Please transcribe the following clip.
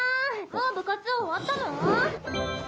もう部活終わったの？